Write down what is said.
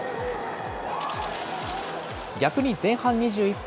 逆に前半２１分。